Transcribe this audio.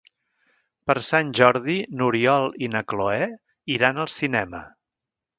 Per Sant Jordi n'Oriol i na Cloè iran al cinema.